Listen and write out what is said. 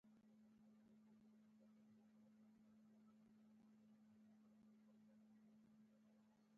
ما خپله تاسو ته لاس تړلى راوستو.